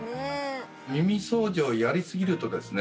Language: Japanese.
耳掃除をやりすぎるとですね